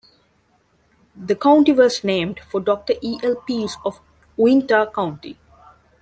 The county was named for Doctor E. L. Pease of Uinta County.